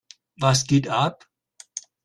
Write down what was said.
Was geht ab?